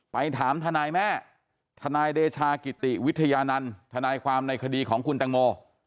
ไปถามทนายแม่ทนายเดชากิติวิทยานันต์ทนายความในคดีของคุณตังโม